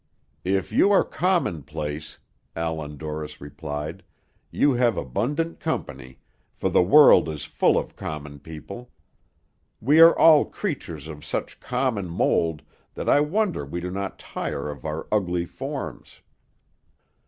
"If you are commonplace," Allan Dorris replied, "you have abundant company; for the world is full of common people. We are all creatures of such common mould that I wonder we do not tire of our ugly forms.